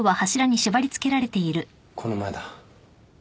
この前だ。